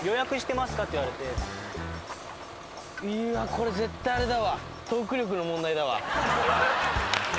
これ絶対あれだわ。